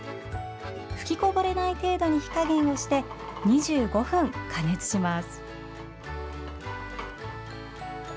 吹きこぼれない程度に火加減をして、２５分加熱します。